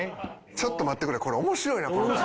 ちょっと待ってくれこれ面白いな。